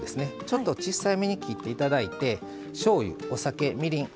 ちょっと小さめに切って頂いてしょうゆお酒みりん